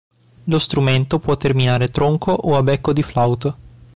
Lo strumento può terminare tronco o a becco di flauto.